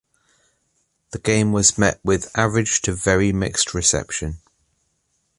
The game was met with average to very mixed reception.